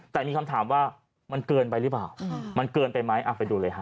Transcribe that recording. แต่มีคำถามว่ามันเกินไปหรือเปล่ามันเกินไปไหมไปดูเลยฮะ